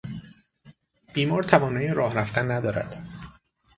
بیمار توانایی راه رفتن ندارد.